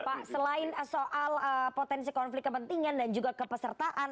pak selain soal potensi konflik kepentingan dan juga kepesertaan